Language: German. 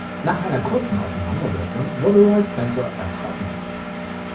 Nach einer kurzen Auseinandersetzung wurde Roy Spencer erschossen.